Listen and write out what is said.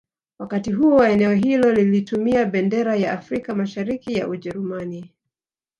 Wakati huo eneo hilo lilitumia bendera ya Afrika Mashariki ya Ujerumani